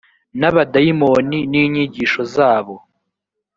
n abadayimoni n inyigisho zabo